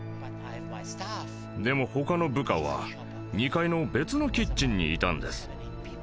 でも他の部下は２階の別のキッチンにいたんです。